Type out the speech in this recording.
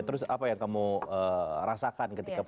terus apa yang kamu rasakan ketika pertama kali kamu